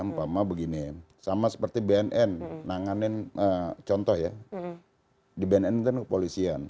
umpama begini sama seperti bnn nanganin contoh ya di bnn itu kan kepolisian